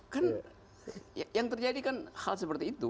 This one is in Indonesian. kan yang terjadi kan hal seperti itu